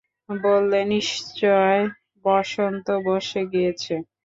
বললে, নিশ্চয় বসন্ত বসে গিয়েছে।